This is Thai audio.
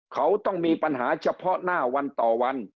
เขาต้องมีปัญหาเฉพาะหน้าวันต่อวัน